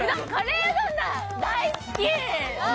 カレーうどんだ、大好き。